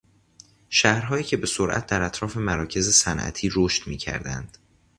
شهرهایی که به سرعت در اطراف مراکز صنعتی رشد میکردند